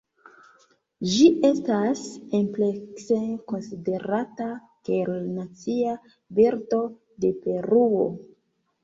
Ĝi estas amplekse konsiderata kiel nacia birdo de Peruo.